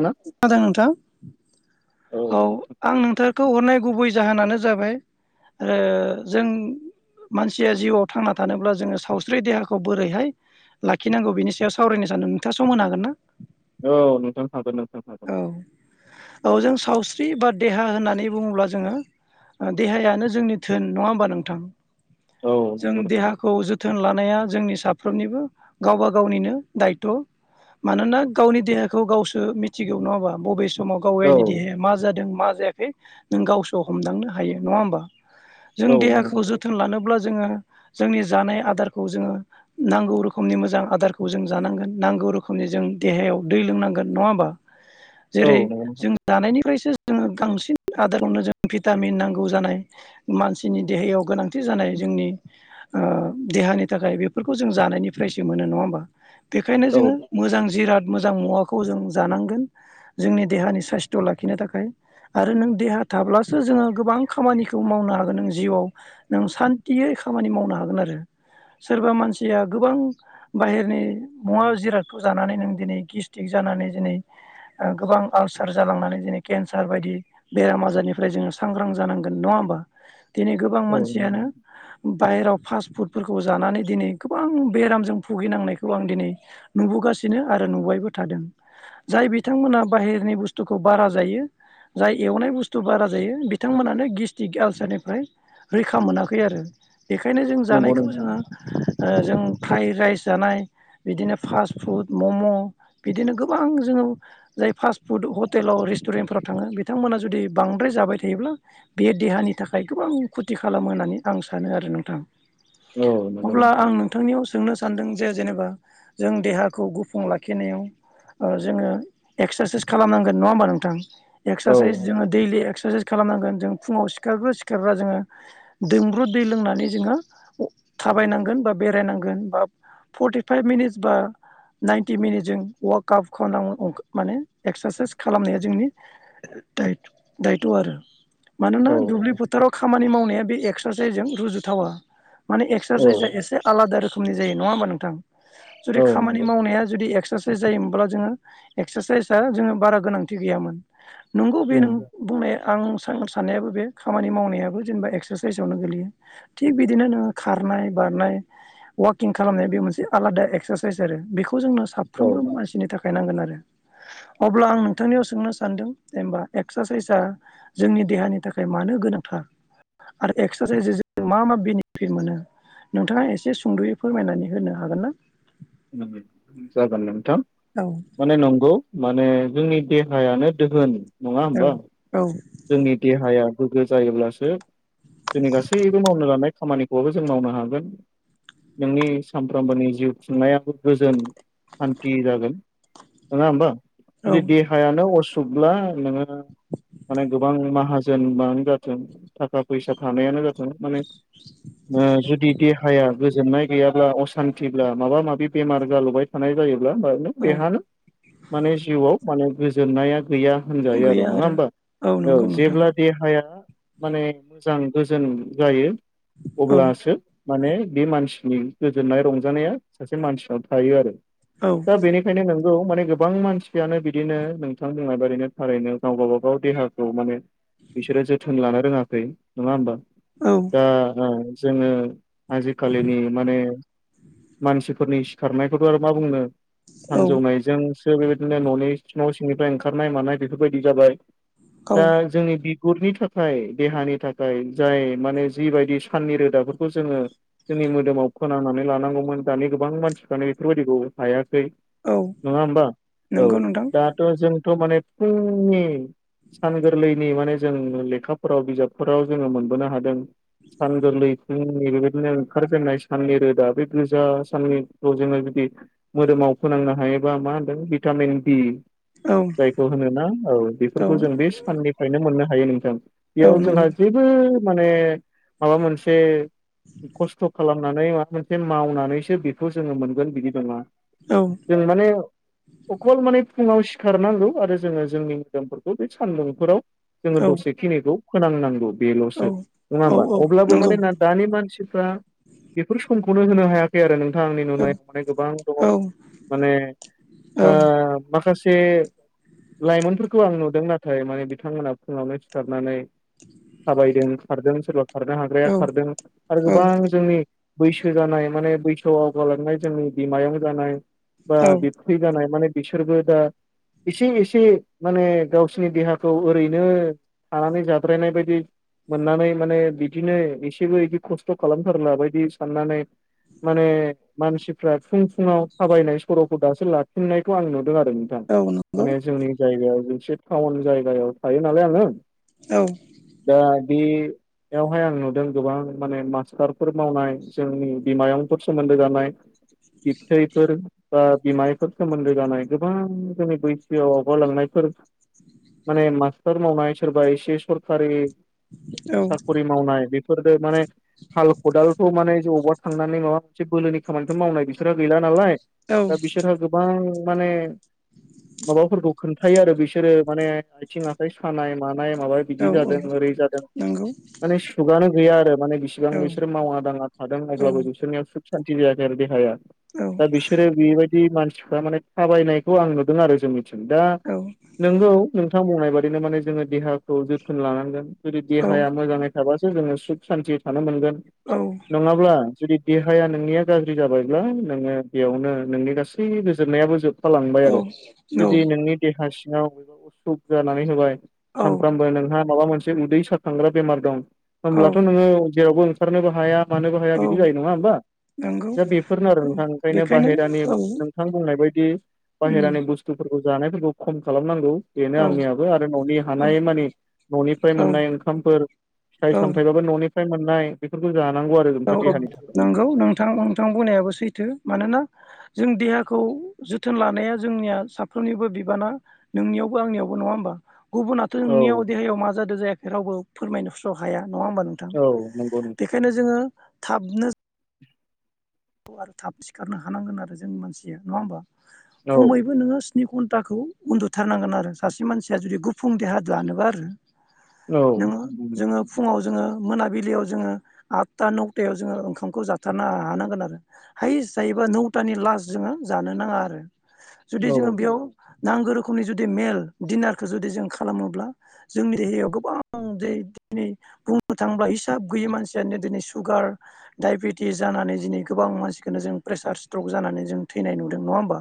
ना? [unintelligible] नोंथां? औ आं नोंथांखौ हरनाय गुबै जाहोनानो जाबाय ओ जों मानसिया जिउआव थांना थानोब्ला जोङो सावस्रि देहाखौ बोरैहाय लाखिनांगौ बेनि सायाव सावरायनो सानदों नोंथाङा सम होनो हागोनना? औ नोंथां हागोन नों औ औ जों सावसि स्रि बा देहा होननानै बुङोब्ला जोङो देहायानो जोंनि धोन नङा होमबा नोंथां? औ जों देहाखौ जोथोन लानाया जोंनि सा फ्रोमनिबो गावबा गावनिनो दायत'। मानोना गावनि देहाखौ गावसो मि थिगौ नङा होनबा बबे समाव गावयनि देहाया मा जादों मा जायाखै नों गावसो हमदांनो हायो नङा होनबा जों नंगौ देहाखौ नोंथां जोथोन लानोब्ला जोंङो जोंनि जानाय आदारखौ जोंङो नांगौ रोखोमनि मोजां आदारखौ जों जानांगोनांगौ रोखोमनि जों देहायाव दै लोंनांगोन नङा होमबा जेरै जों जानायनि सो जोङो गांसिन आदारावनो जों भिटामिन नांगौ जानाय मानसिनि देहायाव गोनांथि जानाय जोंनि ओ देहानि थाखाय बेफोरखौ जों जानायनिफ्रायसो मोनो नङा होमबा बेखायनो औ जोङो मोजां जिराद मोजां मुवाखौ जों जानांगौ जोंनि देहानि साइस्थ' लाखिनो थाखाय आरो नों देहा थाब्लासो जोङो गोबां खामानिखौ मावनो हागोन नों जिउआव नों सान्तियै खामानि मावनो हागोन आरो सोरबा मानसिया गोबां बाहेरनि मुवा जिरादखौ जानानै नों दिनै गिस्टिक जा जानानै दिनै ओ गोबां आलसार जालांनानै जोंनि केन्सार बायदि बेराम आजारनिफ्राय जोङो सांग्रां जानांगोन नङा होमबा दिनै गोबां औ मानसियानो [unintelligible] बाहहेराव फास्ट फुडफोरखौ जानानै दिनै गोबां बेरामजों भुगिनांनायखौ आं दिनै नुबोगास सिनो आरो नुबायबो थादों जाय बिथांमोना बाहेरनि बुस्थुखौ बारा जायो जाय एवनाय बुस्थु बारा जायो बिथांमोनानो गिस्टिक आलसारनिफ्राय रैखा मोनाखै आरो बेखायनो जों नंगौ जानायखौ नोंथां जोंङो ओ जों फ्राइ राइस जानाय बिदिनो फास्ट फुड मम' बिदिनो गोबां [unintelligible] जोङो जाय फास्ट फुड हटेलाव रेस्टुरेन्टफोराव थांङो बिथांमोना जुदि बांद्राय जाबाय थायोब्ला बे देहानि थाखाय गोबां खुति खालामो होननानै आं सानो आरो नोंथां। औ नंगौ अब्ला नोंथां आं नोंथांनियाव सोंनो सानदों जे जेनेबा जों देहाखौ गुफुं लाखिनायाव ओ जोंङो एक्सासाइस खालामनांगोन नङा होमबा नोंथां औ एक्सासाइस जोंङो दैलि एक्स क्सासाइस खालामनांगोन जों फुंङाव सिखारग्रो सिखारग्रा जोंङो दोंब्रुद दै लोंनानै जोंङो अ थाबायनांगोन बा बेरायनांगोन बा फर्टिफाइभ मिनिटस बा नाइनटि मिनिटजों वाक काब खनां [unintelligible] माने एक्सासाइस खालामनाया जोंनि [unintelligible] दायद दायत' आरो मानोना औ नंगौ दुब्लि फोथाराव खामानि मावनाया बे एक्सासाइसजों रुजुथावा माने नोंथां एक्सासाइजआ एसे आलादा रोखोमनि जायो नङा होमबा नोंथां जुदि औ नंगौ नोंथां औ खामानि नंगौ मावनाया जुदि एक्स सासाइस जायोमोनब्ला जोङो एक्सासाइसआ जोङो बारा गोनांथि गैयामोन नंगौ बे उम नों बुंनाया आं साह [unintelligible] साननायाबो बे खामानि मावनायाबो जेनेबा एक्सासाइसआवनो गोलैयो थिग बिदिनो नोङो खार नाय बारनाय वाकिं खालामनाय बे मोनसे आलादा एक्साइस आरो बेख खौ जोंनो औ साफ्रोमबो मानसिनि थाखाय नांगोन आरो। अब्ला आं नोंथांनियाव सोंनो सानदों जेनबा एक्सासाइसआ जोंनि देहानि थाखाय मानो गो गोनांथा आरो एक्सासाइसजों जों मा मा बेनिफिट मोनो। नोंथाङा एसे सुंद'यै फोरमायनानै होनो हागोन ना? [unintelligible] जागोन नोंथां औ माने नंगौ माने जोंनि देहायानो दोहोन नङा औ होमबा औ जोंनि देहाया गोग्गो जायोब्लासो जोंनि गासैबो मावनो लानाय खामानिखौबो जों मावनो हागोन। नोंनि सानफ्रामबोनि जिउ खुंनायाबो गोजोन सान्थि जागोन नङा होमबा औ जुदि देहायानो असुखब्ला नोङो माने गोबां माहाजोनबानो जाथों थाखा फैसा थानायानो जाथ थों माने ओ जुदि देहायाबो ज जेनाय गैयाब्ला असान्थिब्ला माबा माबि बेमार जालुबाय थानाय जायोब ब्ला [unintelligible] औ बेहानो माने जिउआव माने गोजोनाया गैया होनजायो आरो नङा होनबा औ नंगौ नोंथां। जेब्ला देहा [unintelligible] या माने मोजां गोजोन जायो औ अब्लासो माने बे मानसिनि गोजोननाय रंजानाया सासे मानसिनाव थायो आरो। औ दा बेनिखायनो नों थांखौ माने गोबां मानसियानो बिदिनो नोंथां बुंनाय बायदिनो थारैनो गाव गाव [unintelligible] गाव देहाखौ माने बिसोरो जोथोन लानो रोङाखै नङा होमबा? औ दा ओ जोङो आजिखालिनि माने मानसिफोरनि सिखारनायखौथ' आरो मा बुंनो सानजौनायजोंसो बेबायदिनो न'नि सि न' सिंनिफ्राय ओंखारनाय मानाय बेफोरबायदि जाबाय औ दा जोंनि बि गुरनि थाखाय देहानि थाखाय जाय माने जिबायदि साननि रोदाफोरखौ जोङो जों नि मोदोमाव फोननानै लानांगौमोन दानि गोबां मानसिफ्रानो बेफोरबायदिखौ हाया। खै औ नङा होमबा औ नंगौ नोंथां दाथ' जोंथ' माने फुंनि सान गोरलैनि माने जों लेखाफोराव बिजाबफोराव जोङो मोनबोनो हादों सान गोरलै जों बेबायदिनो ओंखारफैनाय साननि रोदा बे गोजा साननिखौ जोङो बिदि मोदोमाव फोनांनो हायोबा मा होनदों भिटामिन दि औ जायखौ होनोना औ औ बेफोरखौ जों बे साननिफ्रायनो मोननो हायो नोंथां। औ बेयाव नंगौ जोंहा जेबो माने माबा मोनसे खस्थ' खालामनानै माबा मोनसे मावनानैसो बेखौ जोङो मोनगोन बिदि नङा। औ जों माने अखल माने फुङाव सिखारनांगौ आरो जोङो जोंनि फोरखौ बे सानदुंफोराव जोङो औ दसेखिनिखौ फोनांनांगौ औ बेल'सो नङा औ होमबा औ अब्लाबो नंगौ माने ना दानि मानसिफ्रा बेफोर समखौनो होनो हाया खै आरो नोंथां आंनि औ नुनायाव माने गोबां दङ औ माने औ ओ माखासे से लाइमोनफोरखौ आं नुदों नाथाय माने बिथांमोना फुङावनो सिखारनानै थाबायदों खारदों सोरबा खारनो हाग्राया औ खारदों आरो गोबां जोंनि बैसो जानाय माने बैसोआव आवगालांनाय जोंनि बिमायं जानाय बा बिबथै जानाय माने बिसोरबो दा एसे-एसे माने गावसिनि देहाखौ ओरैनो थानानै जाद्रायनाय बायदि मोननानै माने बिदिनो एसेबो बिदि खस्थ' खालामथारला बायदि साननानै माने मानसिफ्रा फुं फुङाव थाबायनाय सर'खौ दासो लाफिननायखौ आं नु दों आरो नोंथां नंगौ माने औ जोंनि जायगायाव मोनसे टाउन जायगायाव थायो नालाय आङो औ नंगौ औ दा बे यावहाय आं नुदों गोबां माने मास्टारफोर मावनाय, जोंनि बिमायंफोर सोमोन्दो जानाय बिबथैफोर बा बिमायफोर सोमोन्दो जानाय गोबां जोंनि बैसोआव आगालांनायफोर माने मास्टार मावनाय सोरबा एसे सरखारि औ साखरि मावनाय बेफोरबो माने हाल खदालथ' माने जौबा खांनानै माबा मोनसे बोलोनि खामानिफोर मावनाय बिसोरहा गैला नालाय दा बिसोरो गोबां माने माबाफोरखौ खोनथायो आरो बिसोरो माने आथिं-आखाइ सानाय मानाय नाय माबा बिदि जादों ओरै जादों माने सुगानो गैया आरो माने बिसिबां बिसोर मावना दाङा थादों अब्लाबो बिसोरनियाव सुख सानथि होयाखै आरो देहाया। दा बिसोरो बेबायदि मानसिफ्रा माने थाबायनायखौ आं नुदों आरो जोंनिथिं दा नोंगौ नोंथां बुंनाय बादिनो माने जोङो देहाखौ जोथोन लानांगोन जुदि औ देहाया मोजाङै थाबासो जोङो सुख सान्थियै थानो मोनगोन औ नङाब्ला जुदि देहाया नोंनिया गाज्रि जाबायब्ला नोङो बेयावनो नोंनि गासै गोजोननायाबो जोब फालांबाय औ आरो जुदि नोंनि देहा सिङाव असुख जानानै होबाय औ सानफ्रामबो नोंहा माबा मोनसे उदै सारखांग्रा बेमार दं औ होमब्लाथ' नोङो जेरावबो ओंखारनोबो हाया मानोबो हाया औ बिदि जायो नङा होमबा नंगौ दा बेफोरनो आरो औ नोंथां ओंखायनो बेखायनो बाहेरानि औ नोंथां बुंनाय बायदि उम बाहेरानि बुस्थु जानायफोरखौ खम खालामनांगौ। बेनो औ आंनियाबो आरो न'नि हानाय मानि न'निफ्राय मोननाय ओंखामफोर औ फिथाइ सामथायबाबो ननिफ्राय मोननाय बेफोरखौ जानांगौ आरो औ ओमफ्राय औ देहानि थाखाय नंगौ नोंथां नोंथां बुंनायाबो सैथो मानोना जों देहाखौ जोथोन लानाया जोंनिया साफ्रोमनिबो बिबाना नोंनियावबो आंनियावबो नङा होमबा। गुबुनाथ औ नोंनियाव देहायाव मा जादों जायाखै रावबो फोरमायनो स्र हाया। नङा होमबा नोंथां औ नंगौ नोंथां बेखायनो जोंङो थाबनो आरो थाब सिखारनो हानांगोन आरो जोंनि मानसिया नङा होमबा औ खमैबो नोंङो स्नि घन्टाखौ उन्दुथारनांगोन आरो सासे मानसिया जुदि गुफुं देहा दानोबा आरो औ नोंङो जोंङो फुङाव जोंङो मोनाबिलियाव जोंङो आतता नौतायाव जोंङो ओंखामखौ जाथारनो हानांगोन आरो हाइस्ट जायोबा नौथानि लास्ट जोंङो जानो नाङा आरो जुदि जोंङो बेयाव नांगौ रोखोमनि जुदि मेल दिनारखो जुदि जों खालामोब्ला जोंनि देहायाव गोबां दै नि बुंनो थाङोब्ला हिसाब गैयि मानसियानो दिनै सुगार डायबेटिस जानानै दिनै गोबां मानसिखोनो जों प्रेसार स्ट्रक जानानै जों थैनाय नुदों नङा होमबा।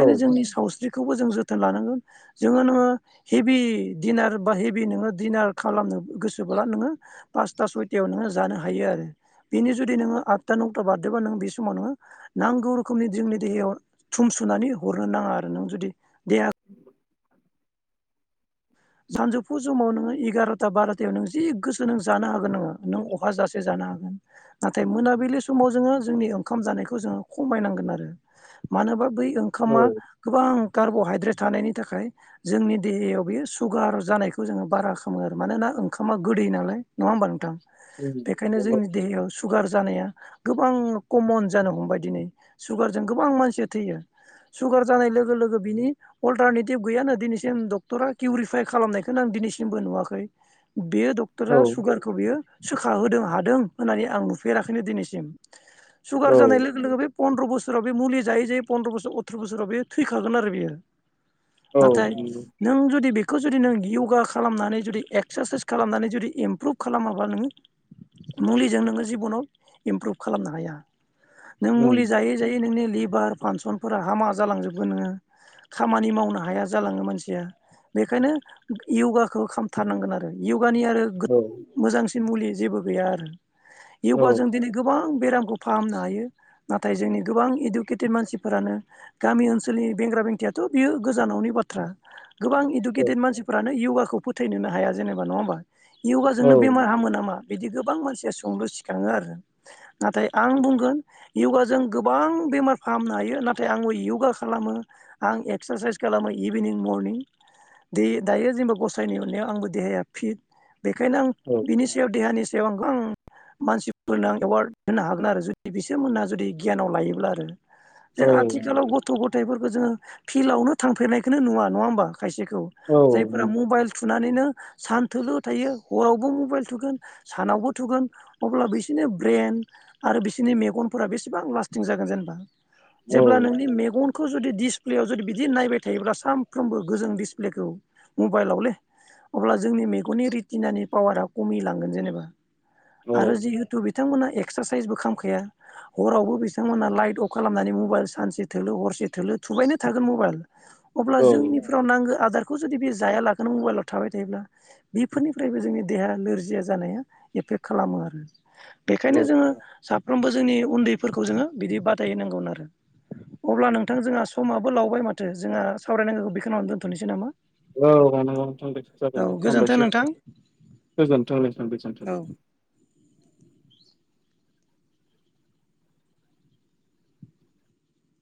औ जोंनि सावस्रि खौबो जोथोन लानांगोन जोंङो नोंङो हेबि दिनार बा हेबि नोंङो दिनार खालाम नो गोसोब्ला नोंङो पासता सयतायाव नोङो जानो हायो आरो बिनि जुदि नोंङो आतता नौ ता बारदोंबा नों बे समाव नोंङो नांगौ रोखोमनि जोंनि देहायाव थुम सुनानै हरनो नाङा आरो नों जु दि देहा सानजौफु समाव नोंङो एगार'था बार'थायाव नों जि गोसो नों जानो हागोन नोंङो नों अहा जासे जा नो हागोन। नाथाय मोनाबिलि समाव जोंङो जोंनि ओंखाम जानायखौ जोंङो खमायनांगोन आरो मानोबा बै ओंखामा गोबां कार्बहाइद्रेट थानायनि थाखाय जोंनि देहायाव बेयो सुगार जानायखौ जोंङो बारा खालामो आरो मानोना ओंखामा गोदै नालाय नङा होमबा नोंथां। बेखायनो जोंनि देहायाव सुगार जानाया गोबां कमन जानो हमबाय दिनै। सुगारजों गोबां मानसिया थैयो। सुगार जानाय लोगो लोगो बिनि अल्टारनेटिभ गैयानो दिनैसिम डक्टरा किउरिफाइ खालामनायखोनो आं दिनैसिमबो नुवाखै। बेयो औ डक्टरा सुगारखौ बेयो सोखा होदों हादों होननानै आं नुफेराखैनो दिनैसिम। औ सुगार जानाय लोगो लोगो बे पनद्र बोस सोराव बे मुलि जायै जायै पन्द्र' बोसोर अथ्र' बोसोराव बे थैखागोन आरो बियो। औ नाथाय नंगौ। नों जुद दि बेखौ जुदि नों योगा खालामनानै जुदि एक्सारसाइस खालामनानै जुदि इमप्रुभ खालामाबा नोंङो मुलिजों नोंङो जिबनाव इमप्रुभ खालामनो हाया। नों मुलि उम जायै जायै नोंनि लिबार फानसनफोरा हामा जालांजोबगोन नोंङो। खामानि मावनो हाया जालाङो मानसिया। बेखायनो यगाखौ खामथारनांगोन आरो यगानि आरो गोथ औ मोजांस सिन मुलि जेबो गैया आरो औ यगा जों दिनै गोबां बेराम फाहामनो हायो। नाथाय जोंनि गोबां इडुकेटेड मानसिफोरानो गामि ओनसोलनि बेंग्रा बेंथिया थ' बियो गोजानावनि बाथ्रा। गोबां औ इडुकेटेड मानसिफोरानो यगाखौ फोथायनोनो हाया जेनेबा नङा होमबा। औ यगाजोंनो बेमार हामो नामा? बिदि गोबां मानसिया सोंलु सिखाङो आरो नाथाय आं बुंगोन यगाजों गोबां बेमार फाहामनो हायो। नाथाय आंबो यगा खालामो आं एक्सारसाइस खालामो इभिनिं मरनिं दे दायो जेनेबा गसायनि अननायाव आंबो देहाया फिट। बेखायनो आं बिनि सायाव देहानि सायाव आं गोबां मानसिफोरनो एवार्ड होनो हागोन आरो जुदि बिसोरमोनहा जुदि गियानाव लायोब्ला आरो औ जों आथिखालाव गथ' ग'थाइफोरखो जोंङो फिल्डआवनो थांफेरनायखोनो नुवा नङा होमबा। खायसेखौ औ जायफोरा नंगौ मबाइल थुनानैनो सान थोलो थायो हरावबो मबाइल थुगोन सानावबो थुगोन अब्ला बिसोरनि ब्रेन आरो बिसोरनि मेगनफोरा बेसेबां लास्टिं जागोन जेनेबा। औ जेब्ला नोंनि मेगनखौ जुदि डिसप्लेयाव जुदि बिदि नायबाय थायोब्ला सानफ्रोमबो गोजों दिडिसप्लेखौ मबाइलावलै। अब्ला जोंनि मेगननि रितिनानि पावारा खमि लांगोन जेनेबा आरो औ जिहेतु बिथांमोना एक्सारसाइसबो खामखाया। हरावबो बिथांमोना लाइट अफ खालामनानै मबाइल सानसे थोलो हर से थोलो थुबायनो थागोन मबेल अब्ला औ जोंनि नांगो आदारखौ जुदि बे जाया लाखानो मबाइलाव थाबाय थायोब्ला बेफोरनिफ्रायबो जोंनि देहाया नोरजिया जा नाया एफेक्ट खालामो आरो औ बेखायनो जोङो साफ्रोमबो जोंनि उन्दैफोरखौ जोङो बिदि [inaudible] आरो अब्ला नोंथां जोंहा समाबो लावबाय माथो जोङा सावरायनांगौखौ बे खिनावनो दोनथ'नोसै नामा। औ [unintelligible] औ जागोन गोजोन्थों दे नोंथां हामबायसै गोजोनथों [unintelligible] औ।